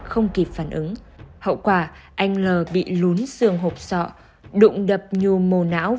không kịp phản ứng hậu quả anh l bị lún xương hộp sọ đụng đập nhu mô não